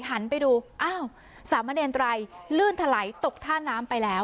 หันไปดูอ้าวสามเณรไตรลื่นถลัยตกท่าน้ำไปแล้ว